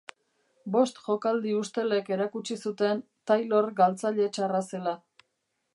Bost jokaldi ustelek erakutsi zuten Taylor galtzaile txarra zela.